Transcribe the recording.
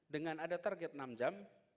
dengan ada target enam jam